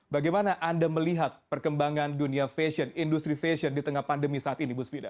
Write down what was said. bagaimana anda melihat perkembangan dunia fashion industri fashion di tengah pandemi saat ini bu svida